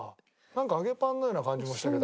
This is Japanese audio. なんか揚げパンのような感じもしたけど。